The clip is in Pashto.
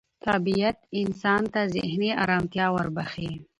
طبیعت انسان ته ذهني ارامتیا وربخښي